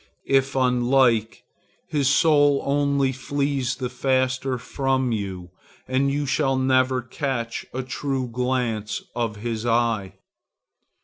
If unlike, his soul only flees the faster from you, and you shall never catch a true glance of his eye.